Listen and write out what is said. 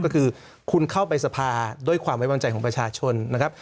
ก็คือคุณเข้าไปสภาด้วยความไว้วางใจของประชาชนนะครับ